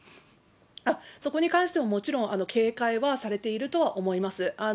そこに関しても、もちろん警戒はされているとは思います。